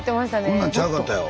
こんなんちゃうかったよ。